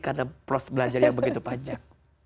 karena proses belajar yang begitu panjang